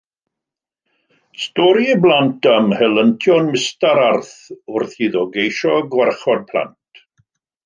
Stori i blant am helyntion Mr Arth wrth iddo geisio gwarchod plant.